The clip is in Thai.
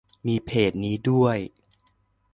มีเพจนี้ด้วย